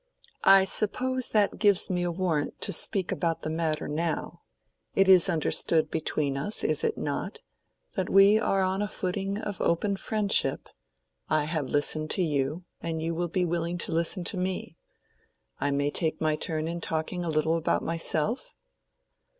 "I suppose that gives me a warrant to speak about the matter now. It is understood between us, is it not?—that we are on a footing of open friendship: I have listened to you, and you will be willing to listen to me. I may take my turn in talking a little about myself?"